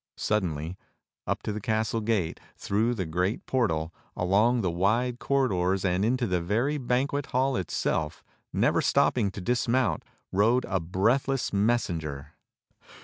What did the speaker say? Suddenly, up to the castle gate, through the great portal, along the wide corridors, and into the very banquet hall itself, never stop ping to dismount, rode a breathless messenger.